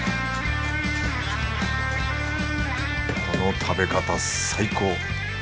この食べ方最高。